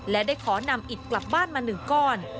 และได้ขอนำอิดกลับบ้านมา๑ก้อน